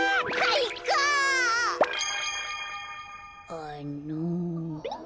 あの。